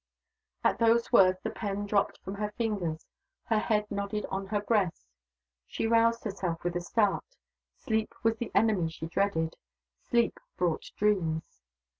At those words the pen dropped from her fingers. Her head nodded on her breast. She roused herself with a start. Sleep was the enemy she dreaded: sleep brought dreams.